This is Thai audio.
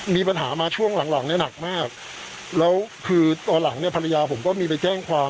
มีปัญหามาช่วงหลังหลังเนี่ยหนักมากแล้วคือตอนหลังเนี่ยภรรยาผมก็มีไปแจ้งความ